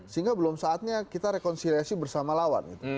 sehingga belum saatnya kita rekonsiliasi bersama lawan